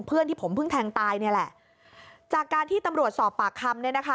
เพื่อนที่ผมเพิ่งแทงตายเนี่ยแหละจากการที่ตำรวจสอบปากคำเนี่ยนะคะ